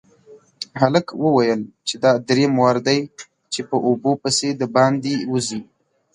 هلک وويل چې دا دريم وار دی چې په اوبو پسې د باندې وځي.